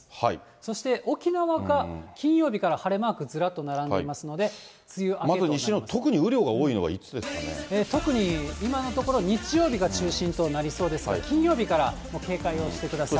そして沖縄が金曜日から晴れマークずらっと並んでますので、梅雨西日本、特に雨量が多いのは特に今のところ、日曜日が中心となりそうですが、金曜日から警戒をしてください。